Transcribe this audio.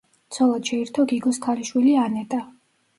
ცოლად შეირთო გიგოს ქალიშვილი ანეტა.